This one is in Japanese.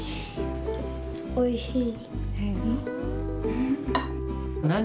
おいしい。